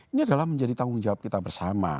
ini adalah menjadi tanggung jawab kita bersama